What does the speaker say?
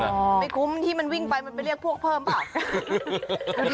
ไปคุ้มที่มันวิ่งไปมันไปเรียกพวกเพิ่มเปล่า